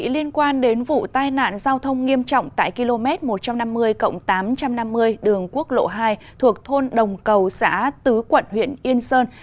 liên quan đến vụ tai nạn giao thông nghiêm trọng tại km một trăm năm mươi tám trăm năm mươi đường quốc lộ hai thuộc thôn đồng cầu xã tứ quận huyện yên sơn